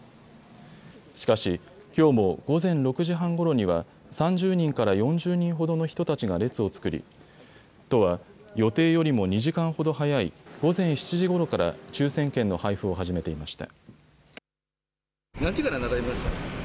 しかし、きょうも午前６時半ごろには３０人から４０人ほどの人たちが列を作り都は予定よりも２時間ほど早い午前７時ごろから抽せん券の配布を始めていました。